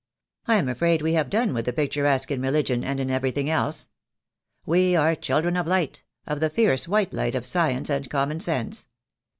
I am afraid we have done with the picturesque in religion and in everything else. We are children of light — of the fierce white light of science and common sense.